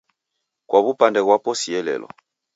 Kwa w'upande ghwapo sielelo